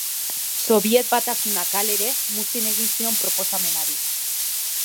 Sobiet Batasunak, halere, muzin egin zion proposamenari.